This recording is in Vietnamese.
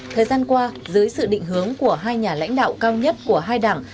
thời gian qua dưới sự định hướng của hai nhà lãnh đạo cao nhất của hai đảng